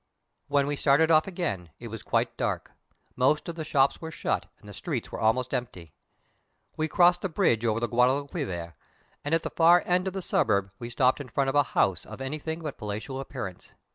When we started off again, it was quite dark. Most of the shops were shut, and the streets were almost empty. We crossed the bridge over the Guadalquivir, and at the far end of the suburb we stopped in front of a house of anything but palatial appearance.